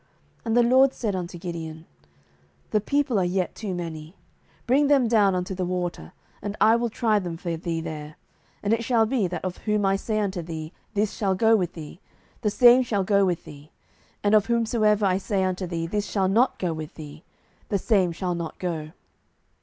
07:007:004 And the LORD said unto Gideon, The people are yet too many; bring them down unto the water, and I will try them for thee there: and it shall be, that of whom I say unto thee, This shall go with thee, the same shall go with thee; and of whomsoever I say unto thee, This shall not go with thee, the same shall not go.